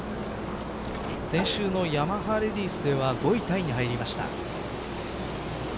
先週のヤマハレディースでは５位タイに入りました。